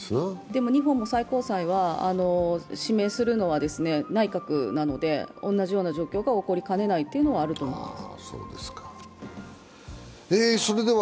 でも日本も最高裁は指名するのは内閣なので、同じような状況が起こりかねないということはあると思います。